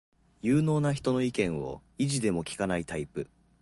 有能な人の意見を意地でも聞かないタイプ